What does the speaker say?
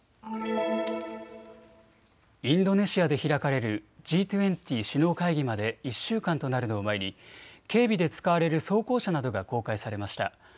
インドネシアで開かれるＧ２０首脳会議まで１週間となるのを前に警備で使われる装甲車などが公開されました。